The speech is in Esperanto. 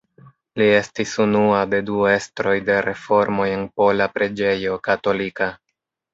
Li estis unua de du estroj de reformoj en pola preĝejo katolika.